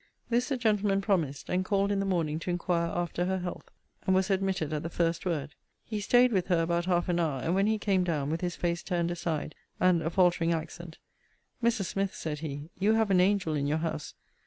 This the gentleman promised: and called in the morning to inquire after her health; and was admitted at the first word. He staid with her about half an hour; and when he came down, with his face turned aside, and a faltering accent, 'Mrs. Smith,' said he, 'you have an angel in your house.